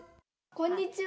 こんにちは。